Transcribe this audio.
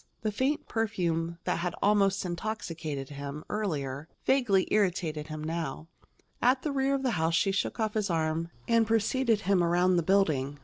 The faint perfume that had almost intoxicated him, earlier, vaguely irritated him now. At the rear of the house she shook off his arm and preceded him around the building.